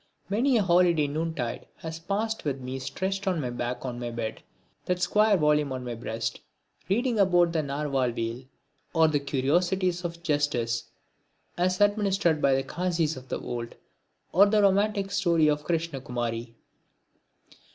Many a holiday noontide has passed with me stretched on my back on my bed, that square volume on my breast, reading about the Narwhal whale, or the curiosities of justice as administered by the Kazis of old, or the romantic story of Krishna kumari.